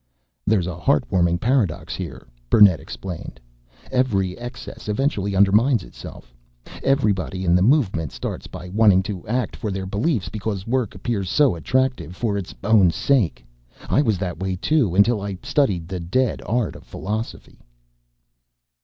"There's a heart warming paradox here," Burnett explained. "Every excess eventually undermines itself. Everybody in the movement starts by wanting to act for their beliefs because work appears so attractive for its own sake. I was that way, too, until I studied the dead art of philosophy."